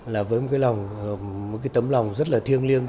là với một cái tấm lòng rất là thiêng liêng